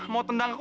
mau tendang aku